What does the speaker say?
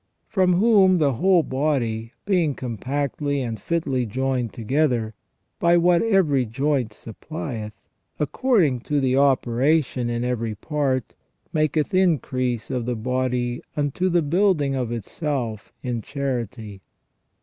From whom the whole body, being compactly and fitly joined together, by what every joint supplieth, according to the operation in every part, maketh increase of the body unto the building of itself in charity."